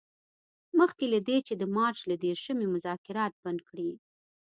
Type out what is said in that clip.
مخکې له دې چې د مارچ له دیرشمې مذاکرات بند کړي.